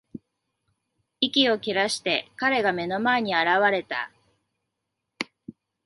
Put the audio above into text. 息を切らして、彼が目の前に現れた。